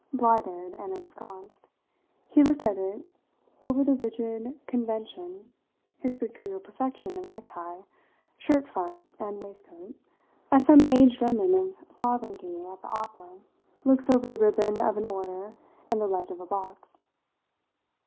Blighted and ensconed, he looked at it over the rigid convention, his peculiar perfection of necktie, shirt front and waistcoat, as some aged remnant of sovereignty at the opera looks over the ribbon of an order and the ledge of a box.